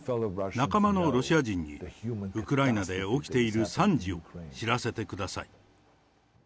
仲間のロシア人にウクライナで起きている惨事を知らせてください。